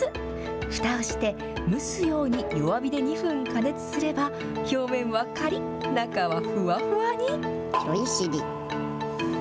ふたをして、蒸すように弱火で２分加熱すれば、表面はかりっ、中はふわふわに。